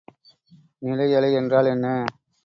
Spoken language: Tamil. நிலை அலை என்றால் என்ன?